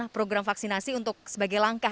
program vaksinasi untuk sebagai langkah